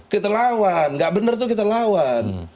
kita lawan tidak benar itu kita lawan